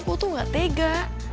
gue tuh gak tega